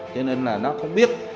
cho nên là nó không biết